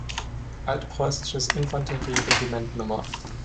Altpreußisches Infanterieregiment No.